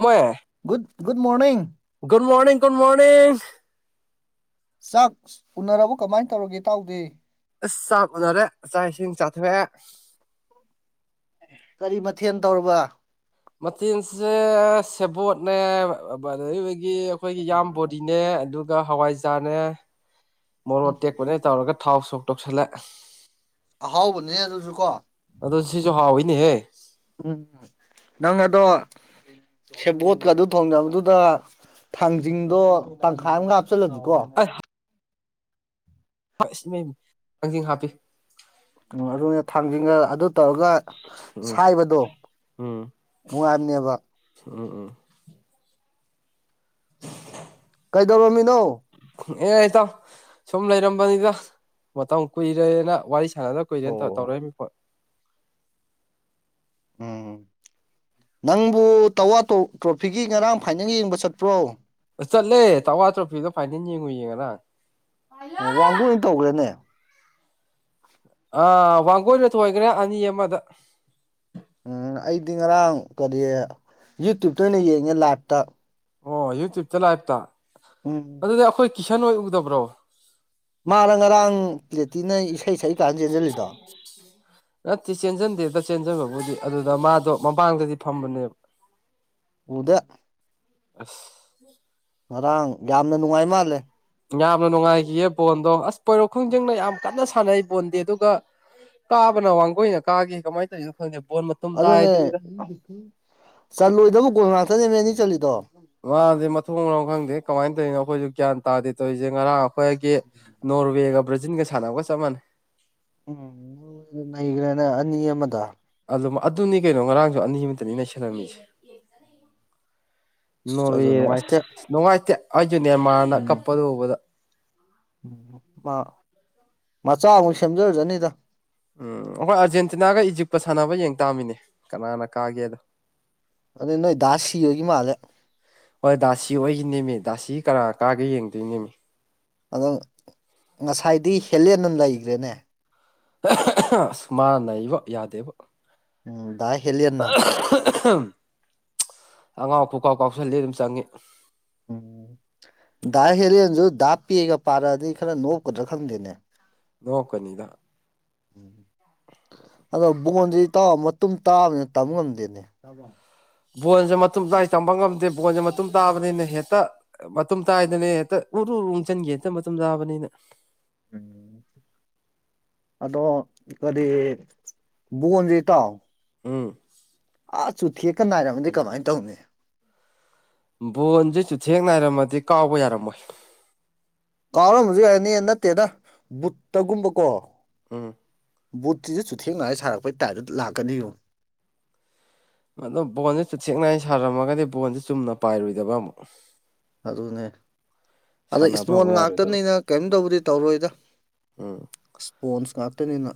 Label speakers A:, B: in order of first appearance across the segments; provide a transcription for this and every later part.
A: ꯃꯣꯏ [unintelligible]
B: ꯒꯨ good morning
A: good morning good morning
B: ꯆꯥꯛ ꯎꯅꯔꯕ ꯀꯃꯥꯏꯅ ꯇꯧꯔꯒꯦ ꯢꯇꯥꯎꯗꯤ
A: ꯑꯁ ꯆꯥꯛ ꯐꯖꯔꯦ ꯆꯥꯛ ꯏꯁꯤꯡ ꯆꯥꯊꯣꯛꯑꯦ
B: ꯀꯔꯤ ꯃꯊꯦꯟ ꯇꯧꯔꯕ?
A: ꯃꯊꯦꯟꯁꯦ ꯁꯦꯕꯣꯠꯅꯦ ꯕꯗ [unintelligible] ꯑꯩꯈꯣꯏꯒꯤ ꯏꯌꯥꯝꯕꯣꯗꯤꯅꯦ ꯑꯗꯨꯒ ꯍꯋꯥꯏꯖꯥꯔꯅꯦ꯫ ꯃꯣꯔꯣꯛ
B: ꯎꯝ
A: ꯑꯇꯦꯛꯄꯅꯦ ꯇꯧꯔꯒ ꯊꯥꯎ ꯁꯣꯛ ꯇꯧꯁꯜꯂꯦ꯫
B: ꯑꯍꯥꯎꯕꯅꯤꯅꯦ ꯑꯗꯨꯖꯨ ꯀꯣ
A: ꯑꯗꯣ ꯁꯤꯖꯨ ꯍꯥꯎꯋꯤꯅꯦꯍꯦ
B: ꯎꯝ ꯅꯪ ꯑꯗꯣ ꯁꯦꯕꯣꯠꯀ ꯑꯗꯨ ꯊꯣꯡꯅꯕꯗꯨꯗ ꯊꯥꯡꯖꯤꯡꯗꯣ ꯇꯪꯈꯥꯏ ꯑꯝꯒ ꯍꯥꯞꯆꯜꯂꯗꯤꯀꯣ
A: ꯑꯥ ꯍꯩꯁ ꯏꯃꯩꯃ ꯊꯥꯡꯖꯤꯡ ꯍꯥꯞꯄꯤ꯫
B: ꯎꯝ ꯑꯗꯨꯅꯦ ꯊꯥꯡꯖꯤꯡꯒ ꯑꯗꯨ ꯇꯧꯔꯒ꯫
A: ꯎꯝ
B: ꯁꯥꯏꯕꯗꯣ ꯅꯨꯡꯉꯥꯏꯕꯅꯦꯕ꯫
A: ꯎꯝ ꯎꯝ
B: ꯀꯩꯗꯧꯔꯝꯃꯤꯅꯣ?
A: ꯑꯦ ꯏꯇꯥꯎ ꯁꯨꯝ ꯂꯩꯔꯝꯕꯅꯤꯗ ꯃꯇꯝ ꯀꯨꯏꯔꯦꯅ ꯋꯥꯔꯤ ꯁꯥꯅꯗ ꯀꯨꯏꯔꯦꯟ ꯇ
B: ꯑꯣ
A: ꯇꯧꯔꯛꯏꯝꯃꯤ꯫
B: ꯎꯝ ꯅꯪꯕꯨ ꯇꯋꯥ ꯇꯣ ꯇ꯭ꯔꯣꯐꯤꯒꯤ ꯉꯔꯥꯡ ꯐꯥꯏꯅꯦꯟꯒ ꯌꯦꯡꯕ ꯆꯠꯄ꯭ꯔꯣ?
A: ꯑ ꯆꯠꯂꯦ ꯇꯋꯥ ꯇ꯭ꯔꯣꯐꯤꯗꯣ ꯐꯥꯏꯅꯦꯟ ꯌꯦꯡꯉꯨꯏꯌꯦ ꯉꯔꯥꯡ ꯫
B: ꯑꯣ ꯋꯥꯡꯒꯣꯏꯅ ꯇꯧꯒꯔ꯭ꯦꯅꯦ꯫
A: ꯑ ꯋꯥꯡꯒꯣꯏꯅ ꯊꯣꯏꯒꯔ꯭ꯦ ꯑꯅꯤ ꯑꯃꯗ꯫
B: ꯎꯝ ꯑꯩꯗꯤ ꯉꯔꯥꯡ ꯀꯔꯤ ꯌꯨꯇ꯭ꯌꯨꯕꯇ ꯑꯣꯏꯅ ꯌꯦꯡꯉꯦ ꯂꯥꯏꯞꯇ꯫
A: ꯑꯣ ꯌꯨꯇ꯭ꯌꯨꯕꯇ ꯂꯥꯏꯕꯇ
B: ꯎꯝ
A: ꯑꯗꯨꯗꯤ ꯑꯈꯣꯏ ꯀꯤꯁꯟ ꯍꯣꯏ ꯎꯗꯕ꯭ꯔꯣ?
B: ꯃꯥꯔ ꯉꯔꯥꯡ ꯄ꯭ꯂꯦꯇꯤꯅ ꯏꯁꯩ ꯁꯛꯏ ꯀꯥꯟ ꯆꯦꯟꯁꯤꯜꯂꯤꯗꯣ
A: [inaudible] ꯅꯠꯇꯦ ꯆꯦꯟꯖꯟꯗꯦꯗ ꯆꯦꯟꯖꯟꯕꯕꯨꯗꯤ ꯑꯗꯨꯗ ꯃꯥꯗꯣ ꯃꯃꯥꯡꯗꯗꯤ ꯐꯝꯕꯅꯦꯕ꯫
B: ꯎꯗꯦ ꯫
A: ꯑꯁ
B: ꯉꯔꯥꯡ ꯌꯥꯝꯅ ꯅꯨꯡꯉꯥꯏ ꯃꯥꯜꯂꯦ꯫
A: ꯌꯥꯝꯅ ꯅꯨꯡꯉꯥꯏꯈꯤꯌꯦ ꯕꯣꯟꯗꯣ ꯑꯁ ꯄꯣꯏꯔꯣꯛ ꯈꯣꯡꯖꯤꯡꯅ ꯌꯥꯝ ꯀꯟꯅ ꯁꯥꯟꯅꯩ ꯕꯣꯟꯗꯤ ꯑꯗꯨꯒ ꯀꯥꯕꯅ ꯋꯥꯡꯒꯣꯏꯅ ꯀꯥꯒꯤ ꯀꯃꯥꯏ ꯇꯧꯏꯅꯣ ꯈꯪꯗꯦ ꯕꯣꯟ ꯃ
B: ꯑꯗꯨꯅꯦ ꯆꯜꯂꯣꯏꯗꯕ ꯒꯣꯜ ꯉꯥꯠꯇꯅꯦꯃꯤ ꯑꯅꯤ ꯆꯜꯂꯤꯗꯣ꯫
A: ꯃꯥꯗꯤ ꯃꯊꯣꯡ ꯃꯔꯝ ꯈꯪꯗꯦ ꯀꯃꯥꯏꯟ ꯇꯧꯏꯅꯣ ꯑꯩꯈꯣꯏꯖꯨ ꯒ꯭ꯌꯥꯟ ꯇꯥꯗꯦ ꯇꯧꯏꯖꯦ ꯉꯔꯥꯡ ꯑꯩꯈꯣꯏꯒꯤ ꯅꯣꯔꯋꯦꯒ ꯕ꯭ꯔꯥꯖꯤꯟꯒ ꯁꯥꯟꯅꯕꯒ ꯆꯞ ꯃꯥꯟꯅꯩ꯫
B: ꯎꯝ ꯅꯣꯔꯋꯦꯅ ꯅꯩꯒꯔ꯭ꯦꯅꯦ ꯑꯅꯤ ꯑꯃꯗ꯫
A: ꯑꯗꯨꯝ ꯑꯗꯨꯅꯤ ꯀꯩꯅꯣ ꯉꯔꯥꯡꯖꯨ ꯑꯅꯤ ꯑꯃꯗꯅꯤ ꯅꯩꯁꯜꯂꯝꯃꯤꯖꯦ ꯫
B: ꯑꯁ ꯑꯗꯨ
A: ꯅꯣꯔꯋꯦ
B: ꯅꯨꯡꯉꯥꯏꯇꯦ
A: ꯑꯁ ꯅꯨꯡꯉꯥꯏꯇꯦ ꯑꯩꯖꯨ ꯅꯦꯃꯥꯔꯅ ꯀꯞꯄꯗꯣ ꯎꯕꯗ꯫
B: ꯎꯝ ꯃꯥ ꯃꯆꯥ ꯑꯃꯨꯛ ꯁꯦꯝꯖꯖꯔꯅꯤꯗ꯫
A: ꯎꯝ ꯑꯩꯈꯣꯏ ꯑꯥꯔꯖꯦꯟꯇꯤꯅꯥꯒ ꯏꯖꯤꯞꯀ ꯁꯥꯟꯅꯕ ꯌꯦꯡ ꯇꯥꯝꯃꯤꯅꯦ ꯀꯅꯥꯅ ꯀꯥꯒꯦꯗꯣ꯫
B: ꯑꯗꯨꯗꯤ ꯅꯣꯏ ꯗꯥ ꯁꯤꯕꯒꯤ ꯃꯥꯜꯂꯦ ꯫
A: ꯍꯣꯏ ꯗꯥꯁꯤ ꯍꯣꯏꯒꯤꯅꯦꯃꯤ ꯗꯥꯁꯤ ꯀꯅꯥ ꯀꯥꯒꯦ ꯌꯦꯡꯗꯣꯏꯅꯦꯃꯤ꯫
B: ꯑꯗꯣ ꯉꯁꯥꯏꯗꯤ ꯍꯦꯂꯦꯟꯅ ꯅꯩꯒꯔ꯭ꯦꯅꯦ꯫
A: ꯑꯁ ꯃꯥꯅ ꯅꯩꯕꯣ ꯌꯥꯗꯦꯕꯣ ꯫
B: ꯎꯝ ꯗꯥ ꯍꯦꯜꯂꯦꯟꯅ ꯫
A: [inaudible] ꯑꯉꯥꯎ ꯈꯨꯀꯥꯎ ꯀꯥꯎꯁꯜꯂꯤ ꯑꯗꯨꯝ ꯆꯪꯉꯤ꯫
B: ꯎꯝ ꯗꯥ ꯍꯦꯂꯦꯟꯖꯨ ꯗꯥ ꯄꯦꯒ ꯄꯥꯔꯛꯑꯗꯤ ꯈꯔ ꯅꯣꯞꯀꯗ꯭ꯔꯥ ꯈꯪꯗꯦꯅꯦ꯫
A: ꯅꯣꯞꯀꯅꯤꯗ꯫
B: ꯑꯗꯣ ꯕꯣꯟꯖꯤ ꯏꯇꯥꯎ ꯃꯇꯨꯡ ꯇꯥꯕꯅꯤꯅ ꯇꯝꯕ ꯉꯝꯗꯦꯅꯦ꯫
A: ꯕꯣꯟꯖꯦ ꯃꯇꯨꯝ ꯇꯏꯥ ꯇꯝꯕ ꯉꯝꯗꯦ ꯕꯣꯟꯖꯦ ꯃꯇꯨꯝ ꯇꯥꯕꯅꯤꯅ ꯍꯦꯛꯇ ꯃꯇꯨꯝ ꯇꯥꯏꯌꯦꯗꯨꯅꯤ ꯍꯦꯛꯇ ꯎꯔꯨ ꯎꯔꯨ ꯎꯪꯖꯠꯒꯤ ꯍꯦꯛꯇ ꯃꯇꯨꯝ ꯇꯥꯕꯅꯤꯅ꯫
B: ꯎꯝ
A: [inaudible]
B: ꯑꯗꯣ ꯀꯔꯤ ꯕꯣꯟꯖꯦ ꯏꯇꯥꯎ
A: ꯎꯝ꯫
B: ꯑꯥ ꯆꯨꯊꯦꯛꯀ ꯅꯥꯏꯔꯝꯃꯗꯤ ꯀꯃꯥꯏꯅ ꯇꯧꯅꯤ꯫
A: ꯕꯣꯟꯖꯦ ꯁꯨꯨꯊꯦꯡ ꯅꯥꯏꯔꯝꯃꯗꯤ ꯀꯥꯎꯕ ꯌꯥꯔꯝꯃꯣꯏ꯫
B: ꯀꯥꯎꯔꯝꯕꯖꯨ ꯌꯥꯏꯅꯤ ꯅꯠꯇꯦꯗ ꯕꯨꯠꯇꯒꯨꯝꯕꯀꯣ꯫
A: ꯎꯝ꯫
B: ꯕꯨꯠꯁꯤꯁꯨ ꯆꯨꯊꯦꯡꯅꯉꯥꯏ ꯁꯥꯔꯛꯄꯩ ꯇꯥꯏꯞꯇ ꯂꯥꯛꯀꯅꯤꯉꯣ꯫
A: ꯑꯗꯣ ꯕꯣꯟꯖꯦ ꯆꯨꯊꯦꯛ ꯅꯥꯏꯅ ꯁꯥꯔꯝꯃꯒꯗꯤ ꯕꯣꯟꯖꯦ ꯆꯨꯝꯅ ꯄꯥꯏꯔꯣꯏꯗꯕ ꯑꯃꯨꯛ꯫
B: ꯑꯗꯨꯅꯦ꯫ ꯑꯗ
A: ꯁꯥꯟꯅꯕ
B: ꯏꯁꯃꯣꯟ
A: ꯑꯃꯨꯛ ꯌꯥꯔꯣꯏꯗꯕ
B: ꯉꯥꯛꯇꯅꯤꯅ ꯀꯔꯤꯝ ꯇꯕꯨꯗꯤ ꯇꯧꯔꯣꯏꯗ꯫
A: ꯎꯝ
B: ꯄꯣꯟꯁ ꯉꯥꯛꯇꯅꯤꯅ꯫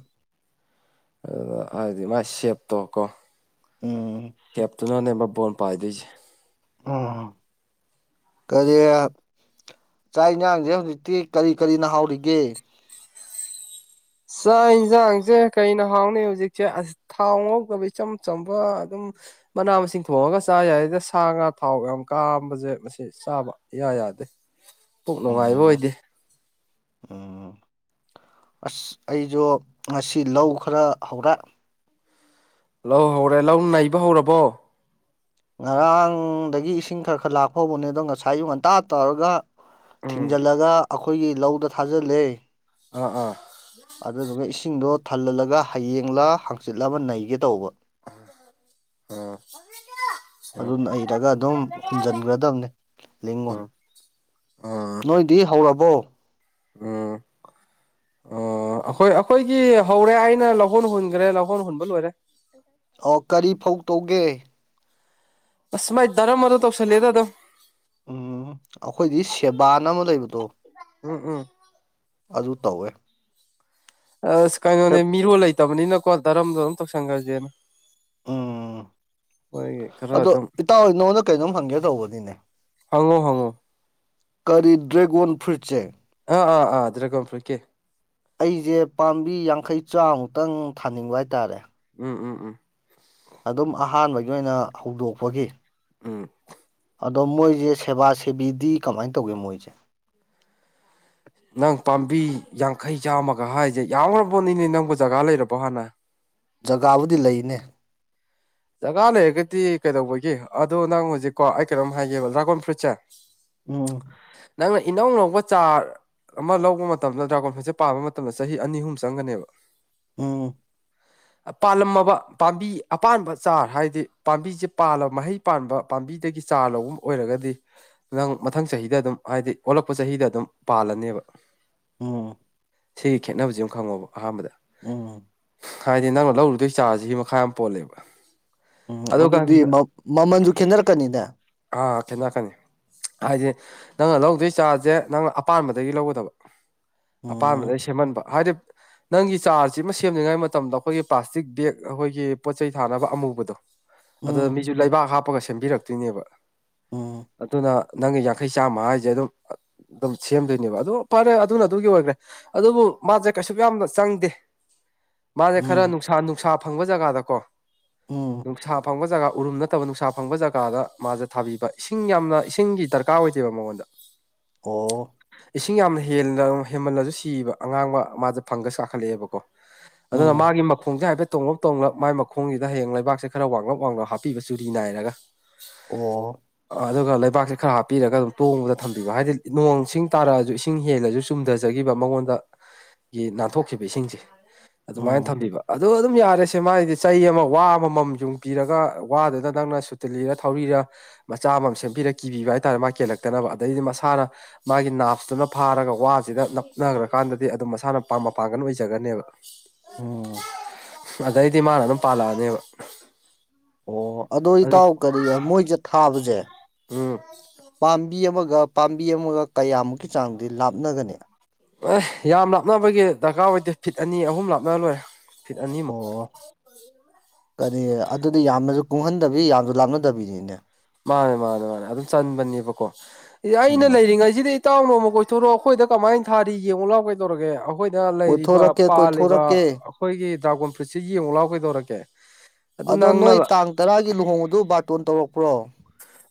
A: ꯑꯗꯨꯗ ꯍꯥꯏꯗꯤ ꯃꯥꯥꯏ ꯁꯦꯞꯇꯣ ꯀꯣ
B: ꯎꯝ
A: ꯁꯦꯞꯇꯨꯅ ꯅꯦꯕ ꯕꯣꯟ ꯄꯥꯏꯗꯣꯏꯖꯦ꯫
B: ꯑ ꯀꯔꯤ ꯆꯥꯛ ꯏꯟꯖꯥꯡꯖꯦ ꯍꯧꯖꯤꯛꯇꯤ ꯀꯔꯤ ꯀꯔꯤꯅ ꯍꯥꯎꯔꯤꯒꯦ꯫
A: ꯆꯥꯛ ꯏꯟꯖꯥꯡꯁꯦ ꯀꯩꯅ ꯍꯥꯎꯅꯤ ꯍꯧꯖꯤꯛꯁꯦ ꯊꯥꯎ ꯉꯧꯗꯕ ꯏꯆꯝ ꯆꯝꯕ ꯑꯗꯨꯝ ꯃꯅꯥ ꯃꯁꯤꯡ ꯊꯣꯡꯉꯒ ꯆꯥ ꯌꯥꯏꯗ ꯁꯥ ꯉꯥ ꯊꯥꯎ ꯌꯥꯝ ꯀꯔꯥꯝꯕꯁꯦ ꯃꯁꯤ ꯁꯦ ꯆꯥꯕ ꯏꯌꯥ ꯌꯥꯗꯦ ꯄꯨꯛ ꯅꯨꯡꯉꯥꯏꯕ
B: ꯎꯝ
A: ꯑꯣꯏꯗꯦ꯫
B: ꯎꯝ꯫ ꯑꯁ ꯑꯩꯁꯨ ꯉꯁꯤ ꯂꯧ ꯈꯔ ꯍꯧꯔꯦ꯫
A: ꯂꯧ ꯍꯧꯔꯦ ꯂꯧ ꯅꯩꯕ ꯍꯧꯔꯕꯣ꯫
B: ꯉꯔꯥꯡꯗꯒꯤ ꯏꯁꯤꯡ ꯈꯔ ꯈꯔ ꯂꯥꯛꯄ ꯍꯧꯕꯅꯦ ꯑꯗꯣ ꯉꯁꯥꯏ ꯑꯌꯨꯛ ꯉꯟꯇꯥ ꯇꯧꯔꯒ
A: ꯑꯥ
B: ꯊꯤꯡꯖꯜꯂꯒ ꯑꯩꯈꯣꯏꯒꯤ ꯂꯧꯗ ꯊꯥꯖꯜꯂꯦ꯫
A: ꯑꯥ ꯑꯥ꯫
B: ꯑꯗꯨꯗꯨꯒ ꯏꯁꯤꯡꯗꯣ ꯊꯜꯍꯜꯂꯒ ꯍꯌꯦꯡꯂꯥ ꯍꯥꯡꯆꯤꯠꯂ ꯑꯃ ꯅꯩꯒꯦ ꯇꯧꯕ꯫
A: ꯑꯥ
B: ꯑꯗꯨ ꯅꯩꯔꯒ ꯑꯗꯨꯝ ꯍꯨꯟꯖꯟꯒ꯭ꯔꯗꯕꯅꯦ ꯂꯤꯡꯉꯣꯏ
A: ꯑꯥ ꯑꯥ
B: ꯅꯣꯏꯗꯤ ꯍꯧꯔꯕꯣ꯫
A: ꯎꯝ꯫ ꯑꯣ ꯑꯩꯈꯣꯏ ꯑꯩꯈꯣꯏꯒꯤ ꯍꯧꯔꯦ ꯑꯩꯅ ꯂꯧꯍꯣꯟ ꯍꯨꯟꯒ꯭ꯔꯦ ꯂꯧꯍꯣꯟ ꯍꯨꯟꯕ ꯂꯣꯏꯔꯦ꯫
B: ꯑꯣ ꯀꯔꯤ ꯐꯧ ꯇꯧꯒꯦ꯫
A: ꯑꯁ ꯃꯥꯏ ꯗꯔꯝ ꯑꯗꯣ ꯇꯧꯁꯜꯂꯦꯗ ꯑꯗꯨꯝ꯫
B: ꯎꯝ ꯑꯩꯈꯣꯏꯗꯤ ꯁꯦꯕꯥꯅ ꯑꯃ ꯂꯩꯕꯗꯣ꯫
A: ꯎꯝ ꯎꯝ꯫
B: ꯑꯗꯨ ꯇꯧꯋꯦ꯫
A: ꯑꯁ ꯀꯩꯅꯣꯅꯦ ꯃꯤꯔꯣꯜ ꯂꯩꯇꯕꯅꯤꯅꯀꯣ ꯗꯔꯝꯗꯣ ꯑꯗꯨꯝ ꯇꯧꯁꯟꯈ꯭ꯔꯁꯦꯅ
B: ꯎꯝ
A: [inaudible] ꯃꯣꯏꯒꯤ ꯈꯔ
B: ꯑꯗꯣ
A: ꯑꯗꯨꯝ
B: ꯏꯇꯥꯎ ꯑꯩ ꯅꯉꯣꯟꯗ ꯀꯩꯅꯣꯝ ꯍꯪꯒꯦ ꯇꯧꯕꯅꯤꯅꯦ꯫
A: ꯍꯪꯉꯣ ꯍꯪꯉꯣ
B: ꯀꯔꯤ ꯗ꯭ꯔꯦꯒꯣꯟ ꯐ꯭ꯔꯨꯏꯠꯁꯦ
A: ꯑꯥ ꯑꯥ ꯑꯥ ꯗ꯭ꯔꯒꯝ ꯐꯨꯔꯤꯠ ꯀꯤ
B: ꯑꯩꯁꯦ ꯄꯥꯝꯕꯤ ꯌꯥꯡꯈꯩ ꯆꯥꯃꯨꯛꯇꯪ ꯊꯥꯅꯤꯡꯕ ꯍꯥꯏꯇꯥꯔꯦ
A: ꯎꯝ ꯎꯃ ꯎꯝ
B: ꯑꯗꯨꯝ ꯑꯍꯥꯟꯕꯒꯤ ꯑꯣꯏꯅ ꯍꯧꯗꯣꯛꯄꯒꯤ
A: ꯎꯝ
B: ꯑꯗꯣ ꯃꯣꯏꯁꯦ ꯁꯦꯕꯥ ꯁꯦꯕꯤꯗꯤ ꯀꯃꯥꯏ ꯇꯧꯒꯦ ꯃꯣꯏꯁꯦ
A: ꯅꯪ ꯄꯥꯝꯕꯤ ꯌꯥꯡꯈꯩ ꯆꯥꯝꯃꯒ ꯍꯥꯏꯁꯦ ꯌꯥꯝꯈꯔꯥꯕꯣꯠꯅꯤꯅꯦ ꯅꯪꯕꯨ ꯖꯒꯥ ꯂꯩꯔꯕꯣ ꯍꯥꯟꯅ
B: ꯖꯒꯥꯕꯨꯗꯤ ꯂꯩꯅꯦ
A: ꯖꯒꯥ ꯂꯩꯔꯒꯗꯤ ꯀꯩꯗꯧꯕꯒꯤ ꯑꯗꯣ ꯅꯪ ꯍꯧꯖꯤꯛꯀꯣ ꯑꯩ ꯀꯩꯅꯣꯝ ꯍꯥꯏꯒꯦꯕ ꯗ꯭ꯔꯥꯒꯣꯟ ꯐ꯭ꯔꯨꯇꯠꯁꯦ
B: ꯎꯃ
A: ꯅꯪꯅ ꯏꯅꯧ ꯅꯧꯕ ꯆꯥꯔ ꯑꯃ ꯂꯧꯕ ꯃꯇꯝꯗ ꯗ꯭ꯔꯥꯒꯣꯟ ꯐꯨꯠꯁꯦ ꯄꯥꯟꯕ ꯃꯇꯝꯗ ꯆꯍꯤ ꯑꯅꯤ ꯑꯍꯨꯝ ꯆꯪꯒꯅꯦꯕ
B: ꯎꯝ
A: ꯄꯥꯜꯂꯝꯃꯕ ꯄꯥꯝꯕꯤ ꯑꯄꯥꯝꯕ ꯆꯥꯔ ꯍꯥꯏꯗꯤ ꯄꯥꯝꯕꯤꯁꯦ ꯄꯥꯜꯂꯕ ꯃꯍꯩ ꯄꯥꯟꯕ ꯄꯥꯝꯕꯤꯗꯒꯤ ꯆꯥꯔ ꯂꯧꯕ ꯑꯣꯏꯔꯒꯗꯤ ꯅꯪ ꯃꯊꯪ ꯆꯍꯤꯗ ꯑꯗꯨꯝ ꯍꯥꯏꯗꯤ ꯑꯣꯜꯂꯛꯄ ꯆꯍꯤꯗ ꯑꯗꯨꯝ ꯄꯥꯜꯂꯅꯦꯕ
B: ꯎꯝ
A: ꯁꯤꯒꯤ ꯈꯦꯠꯅꯕꯁꯤ ꯑꯃ ꯈꯪꯉꯣꯕ ꯑꯍꯥꯟꯕꯗ
B: ꯎꯝ
A: ꯍꯥꯏꯗꯤ ꯅꯪꯅ ꯂꯧꯔꯨꯗꯣꯏ ꯆꯥꯔꯁꯤꯒꯤ ꯃꯈꯥ ꯌꯥꯝ ꯄꯣꯜꯂꯦꯕ
B: ꯎꯝ
A: ꯑꯗꯨꯒ
B: ꯑꯗꯨꯗꯤ ꯃ ꯃꯃꯜꯁꯨ ꯈꯦꯠꯅꯔꯛꯀꯅꯤꯅꯦ
A: ꯑꯥ ꯈꯦꯠꯅꯔꯛꯀꯅꯤ ꯍꯥꯏꯗꯤ ꯅꯪꯅ ꯂꯧꯗꯣꯏ ꯆꯥꯔꯁꯦ ꯅꯪꯅ ꯑꯄꯥꯝꯕꯗꯒꯤ ꯂꯧꯒꯗꯕ
B: ꯎꯝ
A: ꯑꯄꯥꯝꯕꯗꯑꯩ ꯁꯦꯝꯍꯟꯕ ꯍꯥꯏꯗꯤ ꯅꯪꯒꯤ ꯆꯥꯔꯁꯤ ꯑꯃ ꯁꯦꯝꯂꯤꯉꯥꯏ ꯃꯇꯝꯗ ꯑꯩꯈꯣꯏꯒꯤ ꯄ꯭ꯂꯥꯁꯇꯤꯛ ꯕꯦꯒ ꯑꯩꯈꯣꯏꯒꯤ ꯄꯣꯠ ꯆꯩꯩ ꯊꯥꯅꯕ ꯑꯃꯨꯕꯗꯨ ꯑꯗꯨꯗ
B: ꯎꯝ
A: ꯃꯤꯁꯨ ꯂꯩꯕꯥꯛ ꯍꯥꯞꯄꯒ ꯁꯦꯝꯕꯤꯔꯛꯇꯣꯏꯅꯦꯕ
B: ꯎꯝ
A: ꯑꯗꯨꯅ ꯅꯪꯒꯤ ꯌꯥꯡꯈꯩ ꯆꯥꯝꯃ ꯍꯥꯏꯁꯦ ꯑꯗꯨꯝ ꯑꯗꯨꯝ ꯁꯦꯝꯗꯣꯏꯅꯦꯕ ꯑꯗꯨ ꯐꯔꯦ ꯑꯗꯨꯅ ꯑꯗꯨꯒꯤ ꯑꯣꯏꯈ꯭ꯔꯦ ꯑꯗꯨꯕꯨ ꯃꯥꯁꯦ ꯀꯩꯁꯨ ꯌꯥꯝꯅ ꯆꯪꯗꯦ ꯃꯥꯁꯦ ꯈꯔ
B: ꯎꯝ
A: ꯅꯨꯡꯁꯥ ꯅꯨꯡꯁꯥ ꯐꯪꯕ ꯖꯒꯥꯗꯀꯣ
B: ꯎꯝ
A: ꯅꯨꯡꯁꯥ ꯐꯪꯕ ꯖꯒꯥ ꯎꯔꯨꯝ ꯅꯠꯇꯕ ꯅꯨꯡꯁꯥ ꯐꯪꯕ ꯖꯒꯥꯗ ꯃꯥꯁꯦ ꯊꯥꯕꯤꯕ ꯏꯁꯤꯡ ꯌꯥꯝꯅ ꯏꯁꯤꯡꯒꯤ ꯗꯔꯀꯥꯔ ꯑꯣꯏꯗꯦꯕ ꯃꯉꯣꯟꯗ [inaudible]
B: ꯑꯣ
A: ꯏꯁꯤꯡ ꯌꯥꯝꯅ ꯍꯦꯟ ꯍꯦꯟꯃꯜꯂꯁꯨ ꯁꯤꯕ ꯑꯉꯥꯡꯕ ꯃꯖꯦ ꯐꯪꯒꯁ ꯀꯥꯈꯠꯂꯛꯑꯦꯕꯀꯣ ꯑꯗꯨꯅ
B: ꯎꯝ
A: ꯃꯥꯒꯤ ꯃꯈꯣꯡꯁꯦ ꯍꯥꯏꯐꯦꯠ ꯇꯣꯡꯂꯞ ꯇꯣꯡꯂꯞ ꯃꯥꯏ ꯃꯈꯣꯡꯒꯤ ꯗ ꯍꯌꯦꯡ ꯂꯩꯕꯥꯛꯁꯦ ꯈꯔ ꯋꯥꯡꯂꯞ ꯋꯥꯡꯂꯞ ꯍꯥꯞꯄꯤꯕ ꯆꯨꯔꯤ ꯅꯥꯏꯔꯒ
B: ꯑꯣ
A: ꯑꯗꯨꯒ ꯂꯩꯕꯥꯛꯁꯦ ꯈꯔ ꯍꯥꯞꯄꯤꯔꯒ ꯑꯗꯨꯝ ꯇꯣꯡꯕꯗ ꯊꯝꯕꯤꯕ ꯍꯥꯏꯗꯤ ꯅꯣꯡꯁꯤꯡ ꯇꯥꯔꯛꯑꯁꯨ ꯏꯁꯤꯡ ꯍꯦꯜꯂꯁꯨ ꯆꯨꯝꯊꯖꯈꯤꯕ ꯃꯉꯣꯟꯗꯒꯤ ꯅꯥꯟꯊꯣꯛꯈꯤꯕ ꯏꯁꯤꯡꯁꯤ ꯑꯗꯨꯃꯥꯏꯅ
B: ꯎꯝ
A: ꯊꯝꯕꯤꯕ ꯑ ꯑꯗꯨꯝ ꯌꯥꯔꯁꯦ ꯃꯥꯒꯤꯗꯤ ꯆꯍꯤ ꯑꯃ ꯋꯥ ꯑꯃꯃꯝ ꯌꯨꯡꯕꯤꯔꯒ ꯋꯥꯗꯨꯗ ꯅꯪꯅ ꯁꯨꯇꯥꯂꯤꯔ ꯊꯧꯔꯤꯔ ꯃꯆꯥ ꯑꯃ ꯑꯃ ꯁꯦꯝꯕꯤꯔꯒ ꯀꯤꯕꯤꯕ ꯍꯥꯏꯇꯥꯔꯦ ꯃꯥꯥ ꯀꯦꯜꯂꯛꯇꯅꯕ ꯑꯗꯩꯗꯤ ꯃꯁꯥꯅ ꯃꯥꯒꯤ ꯅꯥꯞꯇꯨꯅ ꯐꯥꯔꯒ ꯋꯥꯁꯤꯗ ꯅꯞꯅꯈ꯭ꯔꯀꯥꯟꯗꯗꯤ ꯑꯗꯨꯝ ꯃꯁꯥꯅ ꯄ ꯃꯄꯥꯡꯒꯟ ꯑꯣꯏꯖꯒꯅꯦꯕ
B: ꯎꯝ
A: ꯑꯗꯩꯗꯤ ꯃꯥꯅ ꯑꯗꯨꯝ ꯄꯥꯜꯂꯛꯑꯅꯦꯕ
B: ꯑꯣ ꯑꯥꯗꯣ
A: ꯑꯗꯨꯅ
B: ꯏꯇꯥꯎ ꯀꯔꯤ ꯃꯣꯏꯁꯦ ꯊꯥꯕꯁꯦ
A: ꯎꯝ
B: ꯄꯥꯝꯕꯤ ꯑꯃꯒ ꯄꯥꯝꯕꯤ ꯑꯃꯒ ꯀꯌꯥꯃꯨꯛꯀꯤ ꯆꯥꯡꯗꯤ ꯂꯥꯞꯅꯒꯅꯤ
A: ꯑꯦ ꯌꯥꯝ ꯂꯥꯞꯅꯕꯒꯤ ꯗꯔꯀꯥꯔ ꯑꯣꯏꯗꯦ ꯐꯤꯠ ꯑꯅꯤ ꯑꯍꯨꯝ ꯂꯥꯞꯅꯔ ꯂꯣꯏꯔꯦ ꯐꯤꯠ ꯑꯅꯤꯃꯨꯛ
B: ꯑꯣ ꯀꯔꯤ ꯑꯗꯨꯗꯤ ꯌꯥꯝꯅꯖꯨ ꯀꯨꯡꯍꯟꯗꯕꯤ ꯌꯥꯝꯅꯖꯨ ꯂꯥꯞꯅꯗꯕꯤꯅꯤꯅꯦ
A: ꯃꯥꯅꯦ ꯃꯥꯅꯦ ꯃꯥꯅꯦ ꯑꯗꯨꯝ ꯆꯟꯕꯅꯤꯕꯀꯣ ꯑꯦ ꯑꯩꯅ
B: ꯎꯝ
A: ꯂꯩꯔꯤꯉꯩꯁꯤꯗ ꯏꯇꯥꯎ ꯅꯣꯡꯃ ꯀꯣꯏꯊꯣꯔꯛꯑꯣ ꯑꯈꯣꯏꯗ ꯀꯃꯥꯏꯟ ꯊꯥꯔꯤ ꯌꯦꯡꯉꯨ ꯂꯥꯎ ꯀꯩꯗꯧꯔꯒꯦ ꯑꯧ ꯑꯈꯣꯏꯅ ꯂꯩꯔꯤꯕ
B: ꯀꯣꯏꯊꯣꯔꯛꯀꯦ
A: ꯄꯥꯜꯂꯤꯕ
B: ꯀꯣꯏꯊꯣꯔꯛꯀꯦ
A: ꯑꯈꯣꯏꯒꯤ ꯗ꯭ꯔꯥꯒꯣꯟ ꯐ꯭ꯔꯨꯏꯠꯁꯦ ꯌꯦꯡꯉꯨ ꯂꯥꯎ ꯀꯩꯗꯧꯔꯒꯦ ꯑꯗꯨ
B: ꯑꯗꯣ
A: ꯅꯪꯅ
B: ꯅꯣꯏ ꯇꯥꯡ ꯇꯔꯥꯒꯤ ꯂꯨꯍꯣꯡꯕꯗꯨ ꯕꯥꯔꯇꯣꯟ ꯇꯧꯔꯛꯄ꯭ꯔꯣ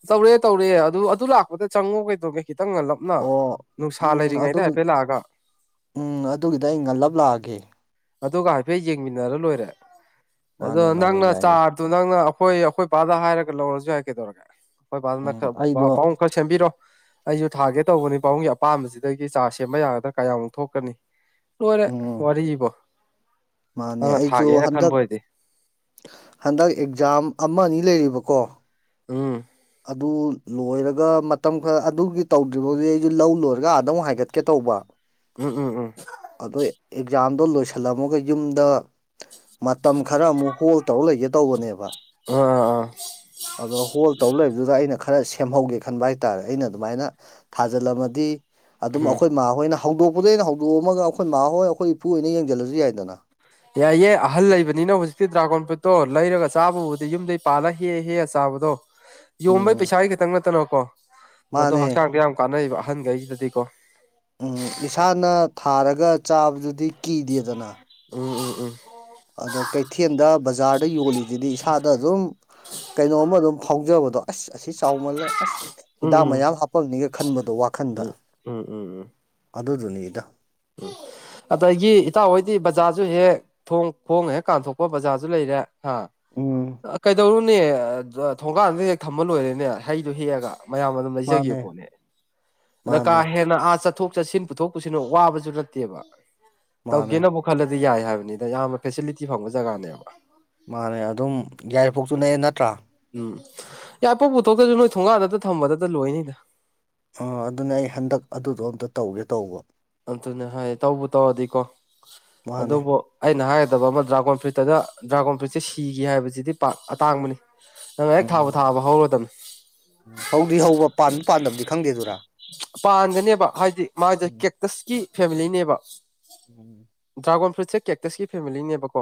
A: ꯇꯧꯔꯛꯑꯦ ꯇꯧꯔꯦ ꯑꯗꯨ ꯑꯗꯨ ꯂꯥꯛꯄꯗ ꯆꯪꯉꯛꯑꯣ ꯀꯩꯗꯧꯒꯦ ꯈꯤꯇꯪ ꯉꯜꯂꯞꯅ
B: ꯑꯣ
A: ꯅꯨꯡꯁꯥ
B: ꯎꯝ
A: ꯂꯩꯔꯤꯉꯩꯗ
B: ꯑꯗꯨꯒꯤ
A: ꯍꯥꯏꯐꯦꯠ ꯂꯥꯛꯑꯒ
B: ꯎꯝ ꯑꯗꯨꯒꯤꯗ ꯑꯩ ꯉꯜꯂꯞ ꯂꯥꯛꯑꯒꯦ
A: ꯑꯗꯨꯒ ꯍꯥꯏꯐꯦꯠ ꯌꯦꯡꯃꯤꯟꯅꯔ ꯂꯣꯏꯔꯦ ꯑꯗꯣ
B: ꯃꯥꯅꯦ ꯃꯥꯅꯦ
A: ꯅꯪꯅ ꯆꯥ
B: ꯌꯥꯏꯌꯦ
A: ꯇꯨ ꯅꯪꯅ ꯑꯈꯣꯏ ꯑꯈꯣꯏ ꯄꯥꯗ ꯍꯥꯏꯔꯒ ꯂꯧꯔꯁꯨ ꯌꯥꯏ ꯀꯩꯗꯧꯔꯒꯦ ꯑꯈꯣꯏ ꯄꯥꯗꯅ
B: ꯎꯝ
A: ꯈꯔ ꯄꯥ
B: ꯑꯩꯗꯣ
A: ꯄꯥꯕꯨꯡ [unintelligible] ꯁꯦꯝꯕꯤꯔꯣ ꯑꯩꯖꯨ ꯊꯥꯒꯦ ꯇꯧꯕꯅꯤ ꯄꯥꯕꯨꯡꯒꯤ ꯑꯄꯥꯝꯕꯁꯤꯗꯒꯤ ꯆꯥꯔ ꯁꯦꯝꯕ ꯌꯥꯒꯗ꯭ꯔꯥ ꯀꯌꯥꯃꯨꯛ ꯊꯣꯛꯀꯅꯤ ꯂꯣꯏꯔꯦ
B: ꯎꯝ
A: ꯋꯥꯔꯤꯕꯣ
B: ꯃꯥꯅꯦ
A: ꯅꯪꯅ
B: ꯑꯩꯖꯨ
A: ꯊꯥꯒꯦꯅ
B: ꯍꯟꯗꯛ
A: ꯈꯟꯕ ꯑꯣꯏꯗꯤ
B: ꯍꯟꯗꯛ ꯑꯦꯛꯖꯥꯝ ꯑꯃ ꯑꯅꯤ ꯂꯩꯔꯤꯕꯀꯣ
A: ꯎꯝ
B: ꯑꯗꯨ ꯂꯣꯏꯔꯒ ꯃꯇꯝ ꯈꯔ ꯑꯗꯨꯒꯤ ꯇꯧꯗ꯭ꯔꯤꯕꯧꯗꯤ ꯑꯩꯖꯨ ꯂꯧ ꯂꯣꯏꯔꯒ ꯑꯥꯗ ꯑꯃꯨꯛ ꯍꯥꯏꯒꯠꯀꯦ ꯇꯧꯕ
A: ꯎꯝ ꯎꯝ ꯎꯝ
B: ꯑꯗꯣꯢ ꯑꯦꯛꯖꯥꯝꯗꯣ ꯂꯣꯏꯁꯜꯂꯝꯃꯒ ꯌꯨꯝꯗ ꯃꯇꯝ ꯈꯔ ꯑꯃꯨꯛ ꯍꯣꯜ ꯇꯧꯔ ꯂꯩꯒꯦ ꯇꯧꯕꯅꯦꯕ
A: ꯎꯪ ꯑꯥ ꯑꯥ
B: ꯑꯗꯣ ꯍꯣꯜ ꯇꯧ ꯂꯩꯕꯗꯨꯗ ꯑꯩꯅ ꯈꯔ ꯁꯦꯝꯍꯧꯒꯦ ꯈꯟꯕ ꯍꯥꯏꯇꯥꯔꯦ ꯑꯩꯅ ꯑꯗꯨꯃꯥꯏꯅ ꯊꯥꯖꯜꯂꯝꯃꯗꯤ ꯑꯗꯨꯝ
A: ꯎꯝ
B: ꯑꯈꯣꯏ ꯃꯥꯍꯣꯏꯅ ꯍꯧꯗꯣꯛꯄꯗ ꯑꯩꯅ ꯍꯧꯗꯣꯛꯑꯝꯃꯒ ꯑꯈꯣꯏ ꯃꯥ ꯍꯣꯏ ꯑꯈꯣꯏ ꯏꯄꯨ ꯍꯣꯏꯅ ꯌꯦꯡꯖꯜꯂꯖꯨ ꯌꯥꯏꯗꯅ
A: ꯌꯥꯏꯌꯦ ꯑꯍꯜ ꯂꯩꯕꯅꯤꯅ ꯍꯨꯖꯤꯛꯇꯤ ꯗ꯭ꯔꯥꯒꯣꯟ ꯐ꯭ꯔꯨꯏꯠꯇꯣ ꯂꯩꯔꯒ ꯆꯥꯕꯕꯨꯗꯤ ꯌꯨꯝꯗꯩ ꯄꯥꯜꯂ ꯍꯦꯛꯑ ꯍꯦꯛꯑ ꯆꯥꯕꯗꯣ ꯌꯣꯟꯕꯩ
B: ꯎꯝ
A: ꯄꯩꯁꯥꯒꯤ ꯈꯤꯇꯪ ꯅꯠꯇꯅꯀꯣ ꯃꯗꯣ
B: ꯃꯥꯅꯦ
A: ꯍꯛꯆꯥꯡꯗ ꯌꯥꯝ ꯀꯥꯟꯅꯩꯕ ꯑꯍꯟꯒꯩꯖꯤꯗꯗꯤꯀꯣ
B: ꯎꯝ ꯏꯁꯥꯅ ꯊꯥꯔꯒ ꯆꯥꯕꯗꯨꯗꯤ ꯀꯤꯗꯦꯗꯅꯥ
A: ꯎꯝ ꯎꯝ ꯎꯝ
B: ꯑꯗꯣ ꯀꯩꯊꯦꯟꯗ ꯕꯖꯥꯔꯗ ꯌꯣꯜꯂꯤꯖꯤꯗꯤ ꯏꯁꯥꯗ ꯑꯗꯨꯝ ꯀꯩꯅꯣꯝꯃ ꯑꯗꯨꯝ ꯐꯥꯎꯖꯕꯗꯣ ꯑꯁ ꯑꯁꯤ ꯆꯥꯎꯃꯜꯂꯦ ꯑꯁ
A: ꯎꯝ
B: ꯍꯤꯗꯥꯛ
A: ꯎꯝ
B: ꯃꯌꯥꯝ ꯍꯥꯞꯄꯝꯅꯤꯒ ꯈꯟꯕꯗꯣ ꯋꯥꯈꯟꯗ
A: ꯎꯝ ꯎꯝ ꯎꯝ ꯎꯝ
B: ꯑꯗꯨꯗꯨꯅꯤꯗ
A: [unintelligible] ꯑꯗꯒꯤ ꯏꯇꯥꯎꯍꯣꯏꯗꯤ ꯕꯖꯥꯔꯖꯨ ꯍꯦꯛ ꯊꯣꯡ ꯈꯣꯡꯅ ꯍꯦꯛ ꯀꯥꯟꯊꯣꯛꯄ ꯕꯖꯥꯔꯖꯨ ꯂꯩꯔꯦ ꯍꯥ
B: ꯎꯝ
A: ꯑ ꯀꯩꯗꯧꯔꯨꯅꯤ [unintelligible] ꯊꯣꯡꯒꯥꯟꯗ ꯍꯦꯛ ꯊꯝꯃ ꯂꯣꯏꯔꯦꯅꯦ ꯍꯩꯗꯨ ꯍꯦꯛꯑꯒ ꯃꯌꯥꯝ ꯑꯗꯨꯝ ꯂꯩꯖꯒꯦ
B: ꯃꯥꯅꯦ
A: [unintelligible] ꯑꯗ ꯀꯥ
B: ꯃꯥꯅꯦ
A: ꯍꯦꯟꯅ ꯑꯥ ꯆꯠꯊꯣꯛ ꯆꯠꯁꯤꯟ ꯄꯨꯊꯣꯛ ꯄꯨꯁꯤꯟ ꯋꯥꯕ ꯖꯨ ꯅꯠꯇꯦꯕ
B: ꯃꯥꯅꯦ
A: ꯇꯧꯒꯦꯅꯕꯨ ꯈꯜꯂꯗꯤ ꯌꯥꯏ ꯍꯥꯏꯕꯅꯤꯗ ꯌꯥꯝꯅ ꯐꯦꯁꯤꯂꯤꯇꯤ ꯐꯪꯕ ꯖꯒꯥꯅꯦꯕ
B: ꯃꯥꯅꯦ ꯑꯗꯨꯝ ꯌꯥꯢꯔꯤꯄꯣꯛꯁꯨꯨ ꯅꯛꯑꯦ ꯅꯠꯇ꯭ꯔꯥ
A: ꯎꯝ ꯌꯥꯏꯔꯤꯄꯣꯛ ꯄꯨꯊꯣꯛꯇꯖꯨ ꯅꯣꯏ ꯊꯣꯡꯒꯥꯥꯟꯗꯇ ꯊꯝꯕꯗꯇ ꯂꯣꯏꯔꯅꯤꯗ
B: ꯑ ꯑꯗꯨꯅꯦ ꯑꯩ ꯍꯟꯗꯛ ꯑꯗꯨꯗꯣ ꯑꯝꯇ ꯇꯧꯒꯦ ꯇꯧꯕ
A: ꯑꯗꯨꯅꯦ ꯍꯥꯏꯌꯦ ꯇꯧꯕꯨ ꯇꯧꯔꯗꯤꯀꯣ
B: ꯃꯥꯅꯦ
A: ꯑꯗꯨꯕꯨ ꯑꯩꯅ ꯍꯥꯏꯒꯗꯕ ꯑꯃ ꯗ꯭ꯔꯥꯒꯣꯟ ꯐ꯭ꯔꯨꯏꯠꯇꯒ ꯗ꯭ꯔꯥꯒꯣꯟ ꯐ꯭ꯔꯨꯏꯠꯁꯦ ꯁꯤꯒꯦ ꯍꯥꯏꯕꯖꯤꯗꯤ ꯄꯥꯛ ꯑꯇꯥꯡꯕꯅꯤ ꯅꯪ ꯍꯦꯛ ꯊꯥꯕꯨ
B: ꯎꯝ
A: ꯊꯥꯔꯕ ꯍꯧꯔꯗꯝꯅꯤ
B: ꯎꯝ ꯍꯧꯗꯤ ꯍꯧꯕ ꯄꯥꯟꯕ ꯄꯥꯟꯗꯕꯗꯤ ꯈꯪꯗꯦꯗꯨꯔꯥ
A: ꯄꯥꯟꯒꯅꯦꯕ ꯍꯥꯏꯗꯤ ꯃꯥꯁꯦ
B: ꯎꯝ
A: ꯀꯦꯛꯇꯁꯀꯤ ꯐꯦꯃꯤꯂꯤꯅꯦꯕ
B: ꯎꯝ
A: ꯗ꯭ꯔꯥꯒꯣꯟ ꯐ꯭ꯔꯨꯠꯁꯦ ꯀꯦꯛꯇꯁꯀꯤ ꯐꯦꯃꯤꯂꯤꯅꯦꯕꯀꯣ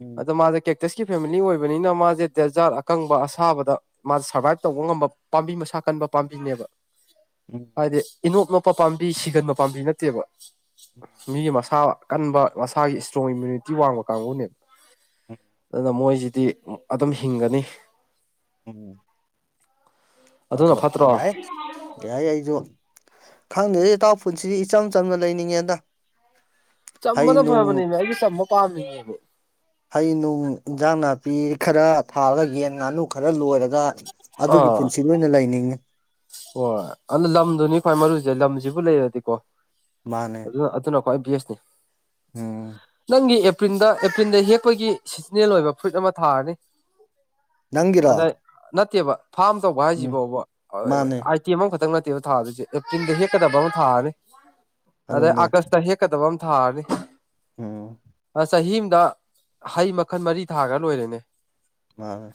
B: ꯎꯝ
A: ꯑꯗꯣ ꯃꯥꯁꯦ ꯀꯦꯛ ꯇꯁꯀꯤ ꯐꯦꯃꯤꯂꯤ ꯑꯣꯏꯕꯅꯤꯅ ꯃꯥꯖꯦ ꯗꯦꯖꯥꯔꯠ ꯑꯀꯪꯕ ꯑꯁꯥꯕꯗ ꯃꯥ ꯁꯔꯚꯥꯏꯚ ꯇꯧꯕ ꯉꯝꯕ ꯄꯥꯝꯕꯤ ꯃꯁꯥ ꯀꯟꯕ ꯄꯥꯝꯕꯤꯅꯦꯕ ꯍꯥꯏꯗꯤ ꯏꯅꯣꯞ ꯅꯣꯞꯄ ꯄꯥꯝꯕꯤ ꯁꯤꯒꯟꯕ ꯄꯥꯝꯕꯤ ꯅꯠꯇꯦꯕ
B: ꯎꯝ
A: ꯃꯤ ꯃꯁꯥ ꯀꯟꯕ ꯃꯁꯥꯒꯤ ꯏꯁꯇ꯭ꯔꯣꯡ ꯏꯝꯃ꯭ꯌꯨꯅꯤꯇꯤ ꯋꯥꯡꯕ ꯀꯥꯡꯕꯨꯅꯦꯕ
B: ꯎꯝ
A: ꯑꯗꯨꯅ ꯃꯣꯏꯁꯤꯗꯤ ꯑꯗꯨꯝ ꯍꯤꯡꯒꯅꯤ
B: ꯎꯝ
A: ꯑꯗꯨꯅ
B: ꯑꯗꯣ
A: ꯐꯠꯇ꯭ꯔꯣ
B: ꯌꯥꯏ ꯀꯩ ꯍꯥꯏ ꯑꯩꯖꯨ ꯈꯪꯗꯦꯗ ꯏꯇꯥꯎ ꯄꯨꯟꯁꯤꯁꯦ ꯏꯆꯝ ꯆꯝꯅ ꯂꯩꯅꯤꯡꯉꯦꯗ ꯍꯩ
A: ꯆꯝꯕꯅ
B: ꯅꯨꯡ
A: ꯐꯕꯅꯦꯃꯤ ꯑꯩꯗꯤ ꯆꯝꯕ ꯄꯥꯝꯃꯤꯅꯦꯃꯤ
B: ꯍꯩ ꯅꯨꯡ ꯏꯟꯖꯥꯡ ꯅꯥꯄꯤ ꯈꯔ ꯐꯔꯒ ꯌꯦꯟ ꯉꯥꯅꯨ ꯈꯔ ꯂꯣꯏꯔꯒ ꯑꯗꯨꯒꯤ
A: ꯑꯥ
B: ꯄꯨꯟꯁꯤꯗꯨ ꯑꯣꯏꯅ ꯂꯩꯅꯤꯡꯉꯦ
A: ꯍꯣꯏ ꯑꯗꯨ ꯂꯝꯗꯨꯅꯤ ꯈ꯭ꯋꯥꯏ ꯃꯔꯨꯁꯦ ꯂꯝꯁꯤꯕꯨ ꯂꯩꯔꯗꯤꯀꯣ
B: ꯃꯥꯅꯦ
A: ꯑꯗꯨ ꯑꯗꯨꯅ ꯈ꯭ꯋꯥꯏ ꯕꯦꯁꯅꯤ
B: ꯎꯝ
A: ꯁꯨꯡꯒꯤ ꯑꯦꯄ꯭ꯔꯤꯜꯗ ꯑꯦꯄ꯭ꯔꯤꯜꯗ ꯍꯦꯛꯄꯒꯤ ꯁꯤꯖꯟꯅꯦꯜ ꯑꯣꯏꯕ ꯐ꯭ꯔꯨꯏꯠ ꯑꯃ ꯊꯥꯔꯅꯤ
B: ꯅꯪꯒꯤꯔꯣ
A: ꯑꯗꯩꯩ ꯅꯠꯇꯦꯕ ꯐꯥꯝ ꯇꯧꯕ ꯍꯥꯏꯁꯤ
B: ꯎꯝ
A: ꯐꯥꯎꯕ
B: ꯃꯥꯅꯦ
A: [unintelligible] ꯑꯥꯏꯇꯦꯝ ꯑꯃꯈꯛꯇꯪ ꯅꯠꯇꯦꯕ ꯊꯥꯗꫭꯏꯁꯤ ꯑꯦꯄ꯭ꯔꯤꯜꯗ ꯍꯦꯛꯀꯗꯕ ꯑꯃ ꯊꯥꯔꯅꯤ ꯑꯗꯩ
B: ꯑꯗꯨꯅꯦ
A: ꯑꯥꯒꯁꯇ ꯍꯦꯛ ꯀꯗꯕꯝ ꯊꯥꯔꯅꯤ
B: ꯎꯝ
A: ꯑꯁ ꯆꯍꯤ ꯑꯃꯗ ꯍꯩ ꯃꯈꯜ ꯃꯔꯤ ꯊꯥꯒ꯭ꯔ ꯂꯣꯏꯔꯦꯅꯦ
B: ꯃꯥꯅꯦ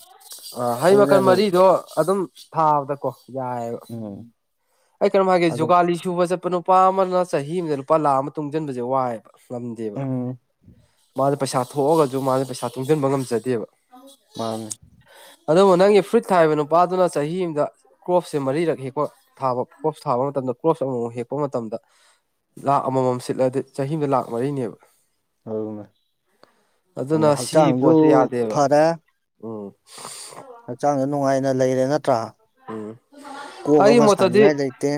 A: ꯑ ꯍꯩ
B: ꯑꯗꯨꯅꯦ
A: ꯃꯈꯜ
B: ꯑꯗꯨꯝ
A: ꯃꯔꯤꯗꯣ ꯑꯗꯨꯝ ꯊꯥꯕꯗꯀꯣ ꯌꯥꯏꯑꯕ
B: ꯎꯝ
A: ꯑꯩ ꯀꯩꯅꯣꯝ ꯍꯥꯏꯒꯦ
B: ꯑꯗꯨꯝ
A: ꯖꯨꯒꯥꯂꯤ ꯁꯨꯕ ꯆꯠꯄ ꯅꯨ ꯄꯥ ꯑꯃꯅ ꯆꯍꯤ ꯑꯃꯗ ꯂꯨꯄꯥ ꯂꯥꯈ ꯑꯃ ꯇꯨꯡꯁꯤꯟꯕꯁꯦ ꯋꯥꯏꯑꯕ ꯉꯝꯗꯦꯕ
B: ꯎꯝ
A: ꯃꯥ ꯄꯩꯁꯥ ꯊꯣꯛꯑꯒꯁꯨ ꯃꯥꯖꯦ ꯄꯩꯁꯥ ꯇꯨꯡꯖꯟꯕ ꯉꯝꯖꯗꯦꯕ
B: ꯃꯥꯟꯅꯤ
A: ꯑꯗꯨꯕꯨ ꯅꯪꯒꯤ ꯐ꯭ꯔꯨꯏꯠ ꯊꯥꯏꯕ ꯅꯨꯄꯥꯗꯨꯅ ꯆꯍꯤ ꯑꯃꯗ ꯀ꯭ꯔꯣꯞꯁꯦ ꯃꯔꯤꯔꯛ ꯍꯦꯛꯄ ꯊꯥꯕ ꯀ꯭ꯔꯣꯞꯁ ꯊꯥꯕ ꯃꯇꯝꯗ ꯀ꯭ꯔꯣꯞꯁ ꯑꯃꯃꯨꯛ ꯍꯦꯛꯄ ꯃꯇꯝꯗ ꯂꯥꯛ ꯑꯃ ꯃꯝ ꯁꯤꯠꯂꯗꯤ ꯆꯍꯤ ꯑꯝꯗ ꯂꯥꯛ ꯃꯔꯤꯅꯦꯕ
B: ꯑꯗꯨꯅꯦ
A: ꯑꯗꯨꯅ ꯁꯤ ꯄꯣꯠꯁꯦ ꯌꯥꯗꯦꯕ ꯎꯝ
B: ꯍꯛꯆꯥꯡꯖꯨ ꯅꯨꯡꯉꯥꯏꯅ ꯂꯩꯔꯦ ꯅꯠꯇ꯭ꯔꯥ ꯀꯣꯛ
A: ꯑꯩꯒꯤ
B: ꯑꯃ
A: ꯃꯣꯠꯇꯗꯤ
B: ꯁꯥꯅꯤꯡꯉꯥꯏ ꯂꯩꯇꯦ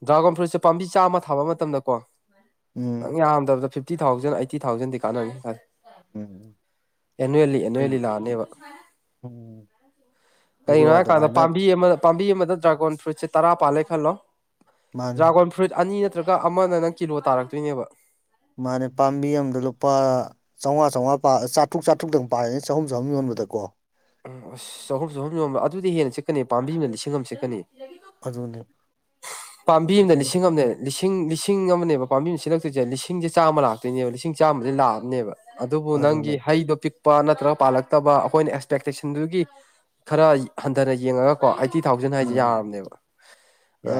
A: ꯗ꯭ꯔꯥꯒꯣꯟ ꯐ꯭ꯔꯨꯏꯠꯁꯦ ꯄꯥꯝꯕꯤ ꯆꯥꯝꯃ ꯊꯥꯕ ꯃꯇꯝꯗꯀꯣ ꯅꯪ
B: ꯎꯝ
A: ꯌꯥꯝꯗꯕꯗ ꯐꯤꯞ ꯇꯤ ꯊꯥꯎꯖꯟ ꯑꯩꯥꯏꯠꯇꯤ ꯊꯥꯎꯖꯟꯗꯤ ꯀꯥꯟꯅꯅꯤ ꯈꯜ
B: ꯎꯝ
A: ꯑꯦꯅꯨꯋꯦꯜꯂꯤ
B: ꯑꯩꯁꯨ
A: ꯑꯦꯅꯨꯋꯜꯂꯤ ꯂꯥꯛꯑꯅꯦꯕ
B: ꯎꯝ ꯑꯩꯁꯨ
A: ꯀꯔꯤꯒꯤꯅꯣ ꯍꯥꯏꯔꯀꯥꯟꯗ
B: ꯑꯗꯨꯃꯥꯏꯅ
A: ꯄꯥꯝꯕꯤ ꯑꯃꯗ ꯄꯥꯝꯕꯤ ꯑꯃꯗ ꯗ꯭ꯔꯥꯒꯣꯟ ꯐ꯭ꯔꯨꯏꯠꯁꯦ ꯇꯔꯥ ꯄꯥꯜꯂꯦ ꯈꯜꯂꯣ
B: ꯃꯥꯅꯦ
A: ꯗ꯭ꯔꯥꯒꯣꯟ ꯐ꯭ꯔꯨꯏꯠ ꯑꯅꯤ ꯅꯠꯇ꯭ꯔꯒ ꯑꯃꯅ ꯅꯪ ꯀꯤꯂꯣ ꯇꯥꯔꯛꯇꯣꯏꯅꯦꯕ
B: ꯃꯥꯅꯦ ꯄꯥꯝꯕꯤ ꯑꯝꯗ ꯂꯨꯄꯥ ꯆꯥꯝꯉꯥ ꯆꯝꯉꯥ ꯄꯥ ꯆꯥꯇ꯭ꯔꯨꯛ ꯆꯥꯇ꯭ꯔꯨꯛꯇꯪ ꯄꯔꯅꯤ ꯆꯍꯨꯝ ꯆꯍꯨꯝ ꯌꯣꯟꯕꯗꯀꯣ
A: ꯎꯝ ꯑꯁ ꯆꯍꯨꯝ ꯆꯍꯨꯝ ꯌꯣꯟꯕ ꯑꯗꯨꯗꯤ ꯍꯦꯟꯅ ꯁꯤꯠꯀꯅꯤ ꯄꯥꯝꯕꯤꯝꯅ ꯂꯤꯁꯤꯡ ꯑꯃ ꯁꯤꯠꯀꯅꯤ
B: ꯑꯗꯨꯅꯦ
A: ꯄꯥꯝꯕꯤ ꯑꯃꯗ ꯂꯤꯁꯤꯡ ꯑꯃꯅꯦ ꯂꯤꯁꯤꯡ ꯂꯤꯁꯤꯡ ꯑꯃꯅꯦꯕ ꯄꯥꯝꯕꯤ ꯑꯃ ꯁꯤꯜꯂꯛꯇꯣꯏꯁꯦ ꯂꯤꯁꯤꯡꯁꯦ ꯆꯥꯝꯃ ꯂꯥꯛꯇꯣꯏꯅꯦꯕ ꯂꯤꯁꯤꯡ ꯆꯥꯝꯃꯁꯦ ꯂꯥꯛꯑꯕꯅꯦꯕ ꯑꯗꯨꯕꯨ ꯅꯪꯒꯤ
B: ꯑꯗꯨꯅꯦ
A: ꯍꯩꯗꯣ ꯄꯤꯛ ꯄ ꯅꯠꯇ꯭ꯔꯒ ꯄꯥꯜꯂꯛꯇꯕ ꯑꯩꯈꯣꯏꯅ ꯑꯦꯛꯁꯄꯦꯛꯇꯦꯁꯟꯗꯨꯒꯤ ꯈꯔ ꯍꯟꯊꯅ ꯌꯦꯡꯉꯒ ꯀꯣ ꯑꯩꯠꯇꯤ ꯊꯥꯎꯖꯟ ꯍꯥꯏꯁꯦ
B: ꯎꯝ
A: ꯌꯥꯔꯕꯅꯦꯕ
B: ꯌꯥꯏ